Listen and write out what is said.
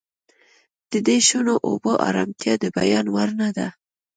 د دې شنو اوبو ارامتیا د بیان وړ نه ده